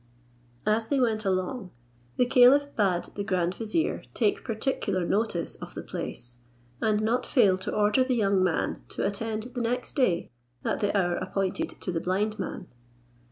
At they went along, the caliph bade the grand vizier take particular notice of the place, and not fail to order the young man to attend the next day at the hour appointed to the blind man.